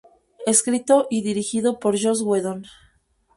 Escrito y dirigido por Joss Whedon.